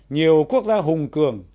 nhiều quốc gia hùng cường